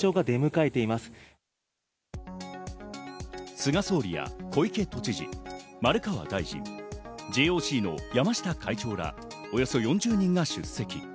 菅総理や小池都知事、丸川大臣、ＪＯＣの山下会長ら、およそ４０人が出席。